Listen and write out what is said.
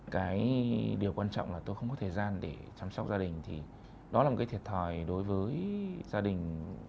cái điều quan trọng là tôi không có thời gian để chăm sóc gia đình thì đó là một cái thiệt thòi đối với gia đình